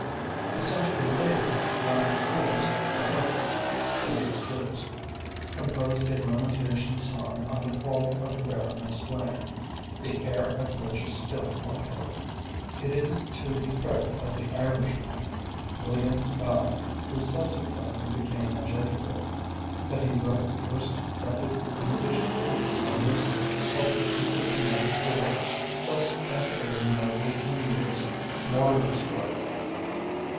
A century later "Blind Cruise, the harper" Richard Cruise composed a lamentation song on the fall of the Baron of Slane, the air of which is still popular. It is to the credit of the Irishman, William Bathe (who subsequently became a Jesuit), that he wrote the first printed English treatise on music, published in 1584 thus ante dating by thirteen years Morley's work.